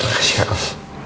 makasih ya pak